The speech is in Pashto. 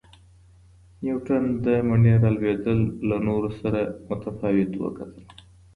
نیوټن د مڼې را لویدل له نورو سره متفاوت وکتل.